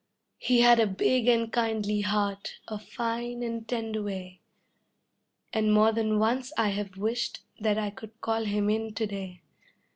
He had a big and kindly heart, a fine and tender way, And more than once I've wished that I could call him in to day.